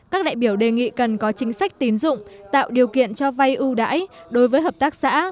các đại biểu đề nghị cần có chính sách tín dụng tạo điều kiện cho vay ưu đãi đối với hợp tác xã